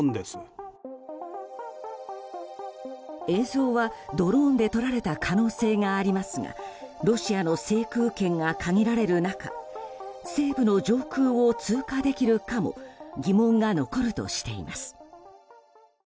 映像はドローンで撮られた可能性がありますがロシアの制空権が限られる中西部の上空を通過できるかも疑問が残るとしています。